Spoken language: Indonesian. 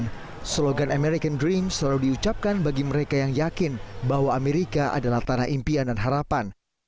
dan slogan american dream selalu diucapkan bagi mereka yang yakin bahwa amerika adalah tanah impian dan harapan